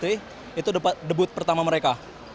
itu debut pertama mereka